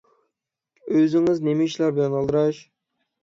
ئۆزىڭىز نېمە ئىشلار بىلەن ئالدىراش؟